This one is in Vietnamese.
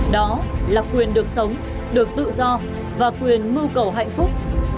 đó là quyền được sống được tự do và quyền mưu cầu hạnh phúc